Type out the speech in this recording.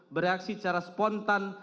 bereaksi secara sepenuhnya